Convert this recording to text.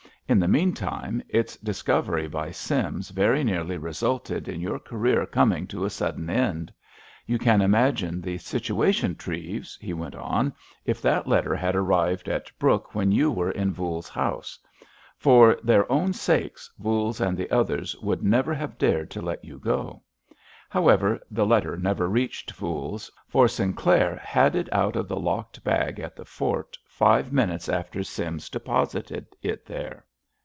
"In the meantime its discovery by Sims very nearly resulted in your career coming to a sudden end. You can imagine the situation, Treves," he went on, "if that letter had arrived at Brooke when you were in Voules's house. For their own sakes, Voules and the others would never have dared to let you go. However, the letter never reached Voules, for Sinclair had it out of the locked bag at the fort five minutes after Sims deposited it there."